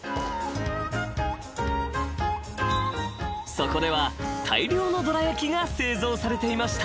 ［そこでは大量のどら焼きが製造されていました］